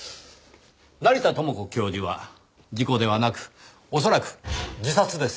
成田知子教授は事故ではなく恐らく自殺です。